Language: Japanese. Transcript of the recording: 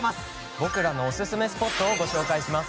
僕らのおすすめスポットをご紹介します。